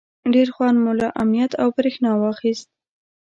ډېر خوند مو له امنیت او برېښنا واخیست.